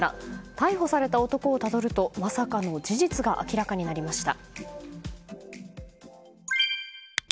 逮捕された男をたどるとまさかの事実が明らかになりました。